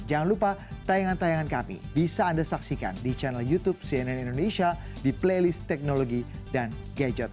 jangan lupa tayangan tayangan kami bisa anda saksikan di channel youtube cnn indonesia di playlist teknologi dan gadget